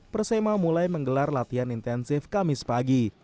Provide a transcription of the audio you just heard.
persema mulai menggelar latihan intensif kamis pagi